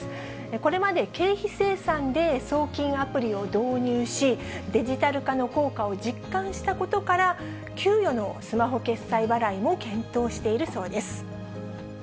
これまで経費精算で送金アプリを導入し、デジタル化の効果を実感したことから、給与のスマホ決済払いも検討しているそうです。